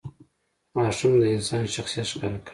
• غاښونه د انسان شخصیت ښکاره کوي.